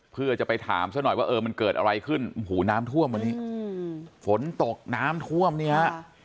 เพื่อจะไปถามซะหน่อยว่าเออมันเกิดอะไรขึ้นโอ้โหน้ำท่วมวันนี้ฝนตกน้ำท่วมเนี่ย